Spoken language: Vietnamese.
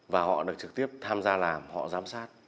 và họ được trực tiếp tham gia làm họ giám sát